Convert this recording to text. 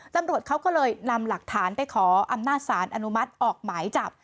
ตำรวจเขาก็เลยนำหลักฐานไปขออำนาจสารอนุมัติออกหมายจับ